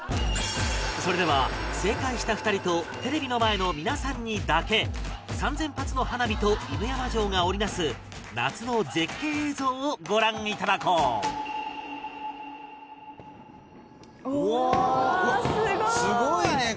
それでは、正解した２人とテレビの前の皆さんにだけ３０００発の花火と犬山城が織り成す夏の絶景映像をご覧いただこう伊達：すごいね！